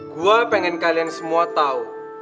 gue pengen kalian semua tahu